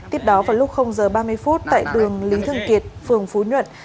tiếp đó vào lúc giờ ba mươi phút tại đường lý thường kiệt phường phú nhuận